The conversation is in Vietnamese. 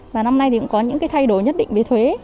và năm nay thì cũng có những cái thay đổi nhất định với thuế